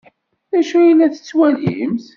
D acu ay la tettwalimt?